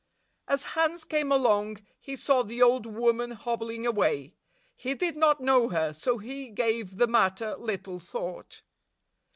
As Hans came along, he saw the old woman hobbling away. He did not know her, so he gave the matter little thought.